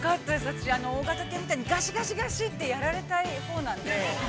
私、大型犬みたいにガシガシガシってやられたいほうなんで。